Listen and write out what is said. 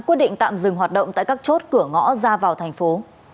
quyết định tạm dừng hoạt động tại các chốt cửa ngõ ra vào thành phố